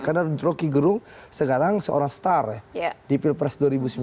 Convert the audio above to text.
karena roky gerung sekarang seorang star di pilpres dua ribu sembilan belas